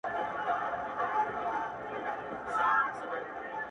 o له ليري واه واه، له نژدې اوډره!